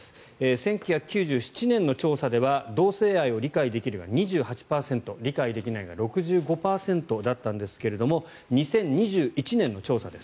１９９７年の調査では同性愛を理解できるが２８％理解できないが６５％だったんですが２０２１年の調査です。